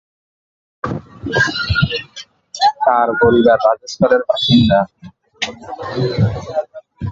তাঁর পরিবার রাজস্থানের বাসিন্দা।